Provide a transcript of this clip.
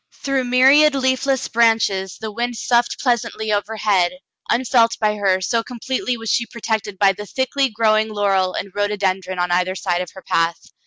Through myriad leafless branches the wind soughed pleasantly overhead, unfelt by her, so com pletely was she protected by the thickly growing laurel and rhododendron on either side of her path.